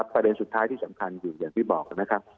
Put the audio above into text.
ประเด็นสุดท้ายที่สำคัญอยู่อย่างที่บอกนะครับ